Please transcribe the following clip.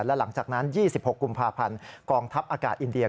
และหลังจากนั้น๒๖กพกองทัพอากาศอินเดีย